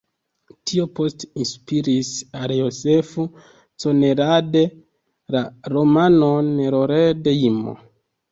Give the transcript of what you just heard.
Tio poste inspiris al Joseph Conrad la romanon "Lord Jim".